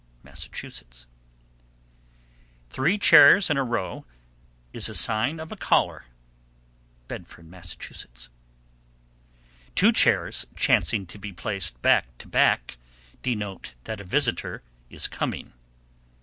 Massachusetts. 739. Three chairs in a row is a sign of a caller. Bedford, Mass. 740. Two chairs chancing to be placed back to back denote that a visitor is coming.